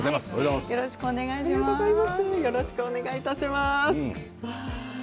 よろしくお願いします。